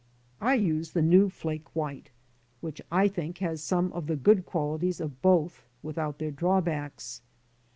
99 I use the new flake white (see p. 10), which, I think, has some of the good qualities of both without their drawbacks.